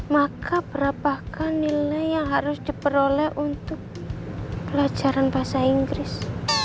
delapan puluh empat maka berapakah nilai yang harus diperoleh untuk pelajaran bahasa inggris